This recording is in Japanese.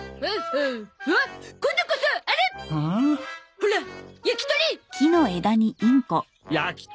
ほら焼き鳥！